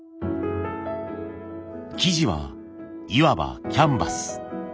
素地はいわばキャンバス。